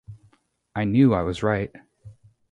I knew I was right.